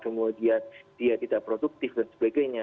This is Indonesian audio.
kemudian dia tidak produktif dan sebagainya